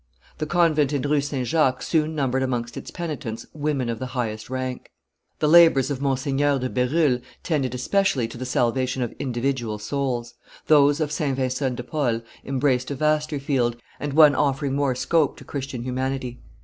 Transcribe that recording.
The convent in Rue St. Jacques soon numbered amongst its penitents women of the highest rank. The labors of Mgr. de Berulle tended especially to the salvation of individual souls; those of St. Vincent de Paul embraced a vaster field, and one offering more scope to Christian humanity.